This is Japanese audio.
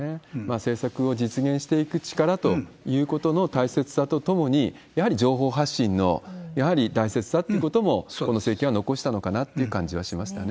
政策を実現していく力ということの大切さとともに、やはり情報発信のやはり大切だってこともこの政権は残したのかなっていう感じはしますかね。